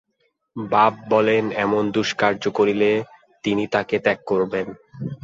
বাপ বলেন, এমন দুষ্কার্য করলে তিনি তাকে ত্যাগ করবেন।